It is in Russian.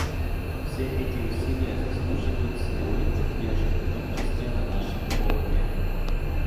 Все эти усилия заслуживают целевой поддержки, в том числе на нашем форуме.